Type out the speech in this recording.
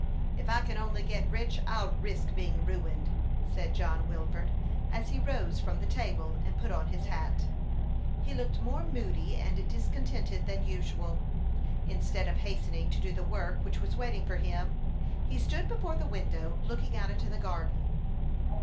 " If I can only get rich, I'll risk being ruined, said John Wilford, as he rose from the table and put on his hat. lie looked more moody and discontented than usual. Instead of hastening to do the work which was waiting for him, he stood before the window looking out into the garden.